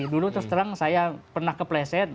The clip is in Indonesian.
dulu terus terang saya pernah kepleset